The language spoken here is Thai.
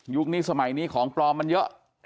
นี้สมัยนี้ของปลอมมันเยอะ